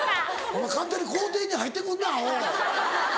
お前勝手に校庭に入ってくんなアホ。